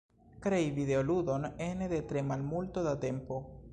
Krei videoludon ene de tre malmulto da tempo.